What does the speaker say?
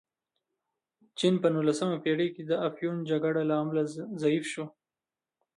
چین په نولسمه پېړۍ کې د افیون جګړو له امله ضعیف شو.